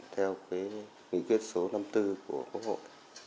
theo cái nghị quyết số năm mươi bốn của quốc hội